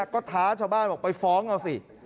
ก็ท้าชาวบ้านบอกไปฟ้องเอาสิ